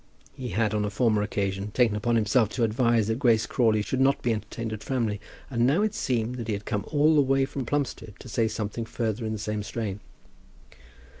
He had on a former occasion taken upon himself to advise that Grace Crawley should not be entertained at Framley, and now it seemed that he had come all the way from Plumstead to say something further in the same strain.